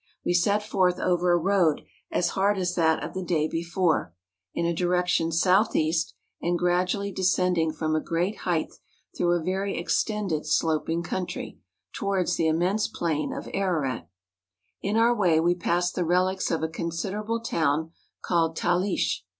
We set forth over a road as hard as that of the day before, in a direction south east, and gradually descending from a great height through a very extended sloping country, towards the immense plain of Ararat. In our way we passed the relics of a considerable town called Talish.